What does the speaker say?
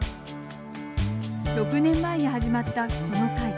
６年前に始まった、この会。